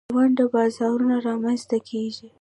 د ونډو بازارونه رامینځ ته کیږي.